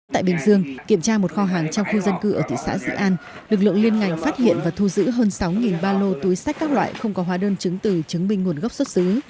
tại bình dương kiểm tra một kho hàng trong khu dân cư ở thị xã dị an lực lượng liên ngành phát hiện và thu giữ hơn sáu ba lô túi sách các loại không có hóa đơn chứng từ chứng minh nguồn gốc xuất xứ